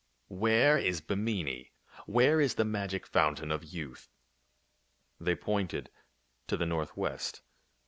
" Where is Bimini ? Where is the magic foun tain of youth ?" They pointed to the northwest.